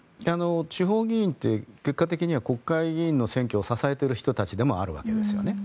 地方議員って結果的には国会議員の選挙を支えている人たちでもあるわけですね。